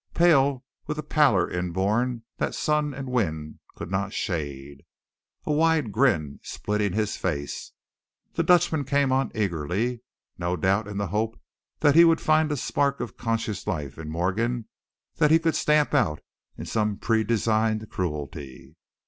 Pale, with a pallor inborn that sun and wind could not shade, a wide grin splitting his face, the Dutchman came on eagerly, no doubt in the hope that he would find a spark of conscious life in Morgan that he could stamp out in some predesigned cruelty.